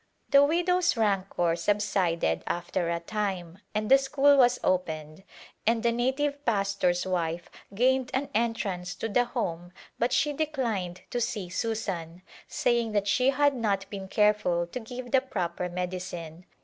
The widow's rancor subsided after a time and the school was opened, and the native pastor's wife gained an entrance to the home but she declined to see Susan, saying that she had not been careful to give the proper medicine.